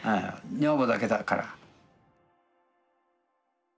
女房だけだから。